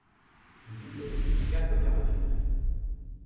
Il y a eu quatre quarts de finale.